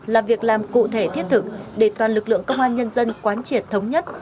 làm việc làm cụ thể thiết thực để toàn lực lượng công an nhân dân quán triển thống nhất